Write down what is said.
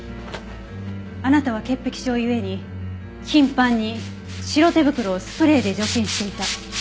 あなたは潔癖症ゆえに頻繁に白手袋をスプレーで除菌していた。